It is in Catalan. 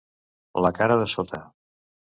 La cara de sota.